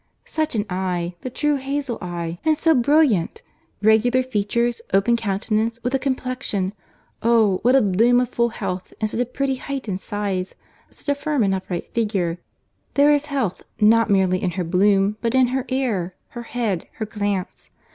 "Such an eye!—the true hazle eye—and so brilliant! regular features, open countenance, with a complexion! oh! what a bloom of full health, and such a pretty height and size; such a firm and upright figure! There is health, not merely in her bloom, but in her air, her head, her glance.